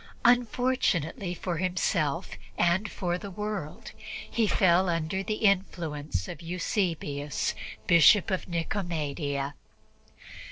Unfortunately for himself and for the world, he fell under the influence of Eusebius, Bishop of Nicomedia.